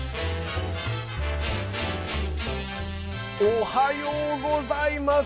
おはようございます！